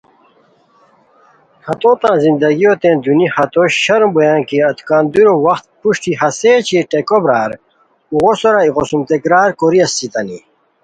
ہتوتان زندگیو تین دونی ہتو شرم بویان کی کندوری وخت پروشٹی ہسے اوچے ٹیکو برار اوغو سورا ایغوسُم تکرار کوری اسیتانی